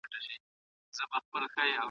زموږ ځوانان ډېر استعدادونه لري.